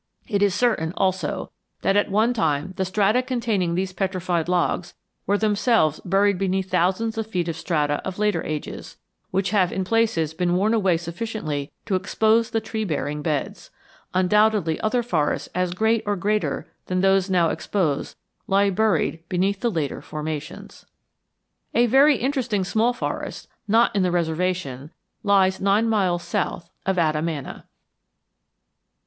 It is certain, also, that at one time the strata containing these petrified logs were themselves buried beneath thousands of feet of strata of later ages, which have in places been worn away sufficiently to expose the tree bearing beds. Undoubtedly other forests as great or greater than those now exposed lie buried beneath the later formations." A very interesting small forest, not in the reservation, lies nine miles north of Adamana.